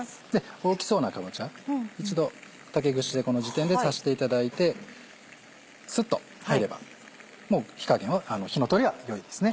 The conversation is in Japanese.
大きそうなかぼちゃ一度竹串でこの時点で刺していただいてスッと入ればもう火の通りは良いですね。